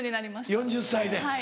４０歳で。